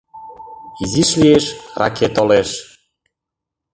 Изиш лиеш, раке толеш.